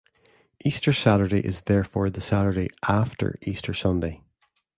Easter Saturday is therefore the Saturday "after" Easter Sunday.